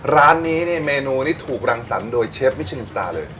ร้านนี้เนี่ยเมนูนี้ถูกรังสรรค์โดยเชฟมิชินสตาร์เลย